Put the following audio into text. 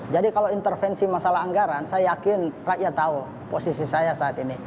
jadi kalau intervensi masalah anggaran saya yakin rakyat tahu posisi saya saat ini